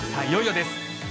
いよいよです。